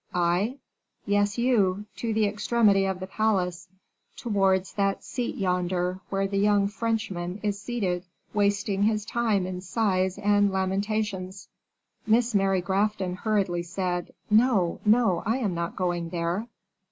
"I?" "Yes, you; to the extremity of the palace, towards that seat yonder, where the young Frenchman is seated, wasting his time in sighs and lamentations." Miss Mary Grafton hurriedly said, "No, no; I am not going there."